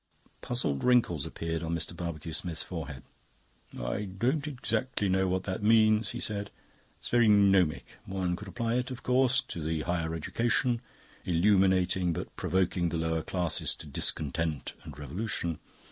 Puzzled wrinkles appeared on Mr. Barbecue Smith's forehead. "I don't exactly know what that means," he said. "It's very gnomic. One could apply it, of course to the Higher Education illuminating, but provoking the Lower Classes to discontent and revolution.